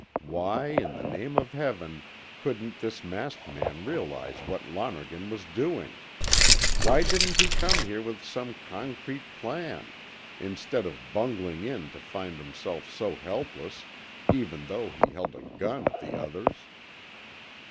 Why, in the name of Heaven, couldn't this masked man realize what Lonergan was doing? Why didn't he come here with some concrete plan instead of bungling in to find himself so helpless, even though he held a gun on the others?